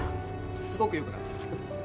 すごく良くなった。